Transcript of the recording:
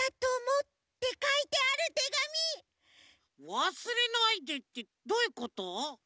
わすれないでってどういうこと？